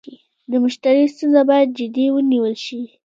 د مشتري ستونزه باید جدي ونیول شي.